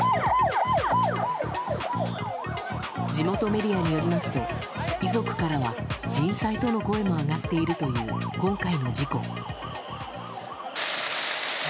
地元メディアによりますと遺族からは人災との声も上がっているという今回の事故。